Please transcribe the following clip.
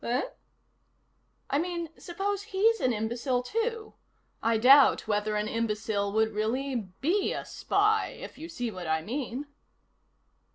"Eh?" "I mean, suppose he's an imbecile, too? I doubt whether an imbecile would really be a spy, if you see what I mean."